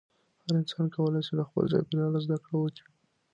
هر انسان کولی شي له خپل چاپېریاله زده کړه وکړي.